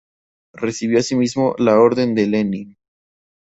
Recibió asimismo la Orden de Lenin.